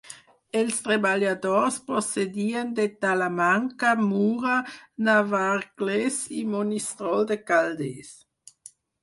Els treballadors procedien de Talamanca, Mura, Navarcles i Monistrol de Calders.